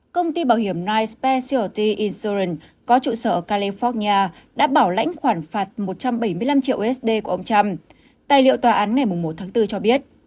công ty bảo hiểm knight specialty insurance có trụ sở ở california đã bảo lãnh khoản phạt một trăm bảy mươi năm triệu usd của ông trump tài liệu tòa án ngày một tháng bốn cho biết